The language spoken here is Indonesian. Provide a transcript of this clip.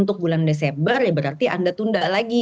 untuk bulan desember ya berarti anda tunda lagi